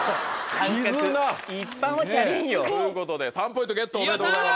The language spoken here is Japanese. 感覚一般はチャリンよ。ということで３ポイントゲットおめでとうございます。